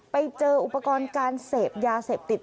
ไปเจออุปกรณ์การเสพยาเสพติด